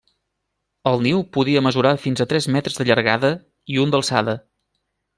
El niu podia mesurar fins a tres metres de llargada i un d'alçada.